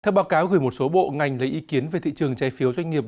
theo báo cáo gửi một số bộ ngành lấy ý kiến về thị trường trái phiếu doanh nghiệp